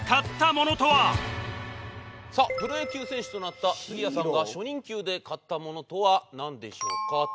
プロ野球選手となった杉谷さんが初任給で買った物とはなんでしょうか？と。